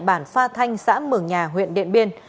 bản pha thanh xã mường nhà huyện điện biên